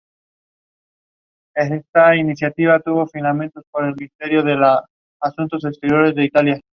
Ellos eran sus mecánicos y sentían una enorme devoción por Albert.